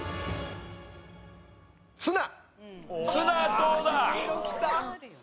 ツナどうだ？